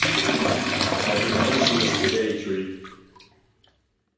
Have you ever seen a spaghetti tree?